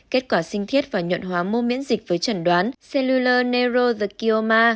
kết quả sinh thiết và nhuận hóa mô miễn dịch với trần đoán cellular neuro the kioma